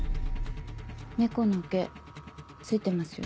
猫の毛付いてますよ。